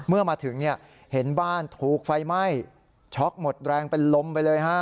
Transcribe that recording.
เมื่อมาถึงเห็นบ้านถูกไฟไหม้ช็อกหมดแรงเป็นลมไปเลยฮะ